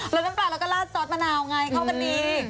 แล้วน้ำปลาเราก็ลาดซอสมะนาวไงเข้ากันดี